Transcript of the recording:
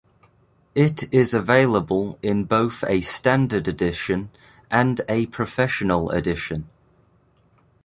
It is available in both a standard edition and a professional edition.